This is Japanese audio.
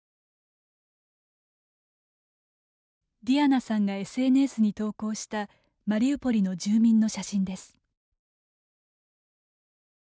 ディアナさんがＳＮＳに投稿したマリウポリの住民の写真です。